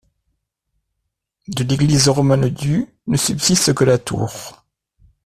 De l'église romane du ne subsiste que la tour.